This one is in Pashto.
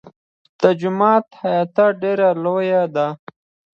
د جومات احاطه ډېره لویه ده.